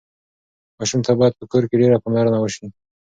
ماشوم ته باید په کور کې ډېره پاملرنه وشي.